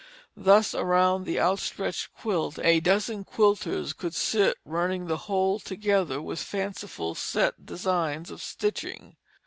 Thus around the outstretched quilt a dozen quilters could sit running the whole together with fanciful set designs of stitching.